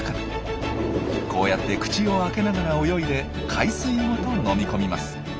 こうやって口を開けながら泳いで海水ごと飲み込みます。